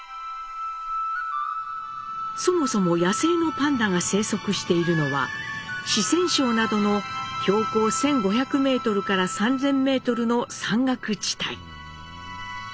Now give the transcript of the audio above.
そもそも野生のパンダが生息しているのは四川省などの標高１，５００メートルから３，０００メートルの山岳地帯。